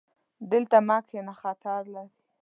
دلته مه کښېنه، خطر لري